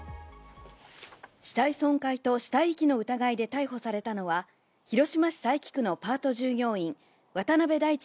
死体損壊と死体遺棄の疑いで逮捕されたのは広島市佐伯区のパート従業員・渡部大地